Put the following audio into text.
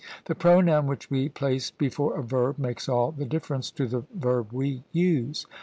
The pronoun which we place before a verb makes all the differ ence to the verb we use.